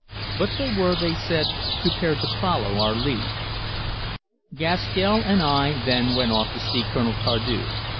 But they were, they said, prepared to follow our lead. Gaskell and I then went off to see Colonel Tardieu.